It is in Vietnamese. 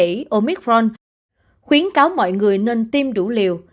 biến thể omicron khuyến cáo mọi người nên tiêm đủ liều